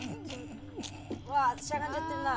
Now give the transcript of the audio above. わあしゃがんじゃってるな。